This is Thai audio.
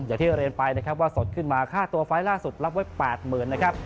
อย่างที่เรียนไปนะครับว่าสดขึ้นมาค่าตัวไฟล์ล่าสุดรับไว้๘๐๐๐นะครับ